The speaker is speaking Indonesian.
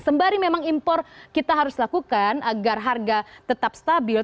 sembari memang impor kita harus lakukan agar harga tetap stabil